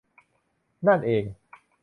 นั่นเอง